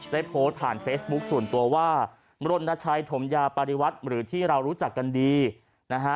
ได้โพสต์ผ่านเฟซบุ๊คส่วนตัวว่ามรณชัยถมยาปฏิวัติหรือที่เรารู้จักกันดีนะฮะ